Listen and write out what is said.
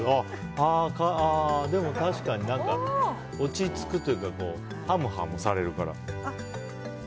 ああ、でも確かに何か落ち着くというかハムハムされるから。